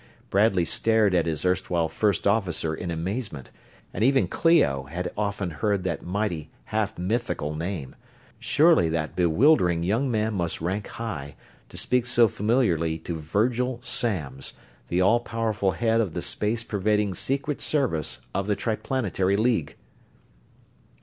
Bradley stared at his erstwhile first officer in amazement, and even Clio had often heard that mighty, half mythical name. Surely that bewildering young man must rank high, to speak so familiarly to Virgil Samms, the all powerful head of the space pervading Secret Service of the Triplanetary League!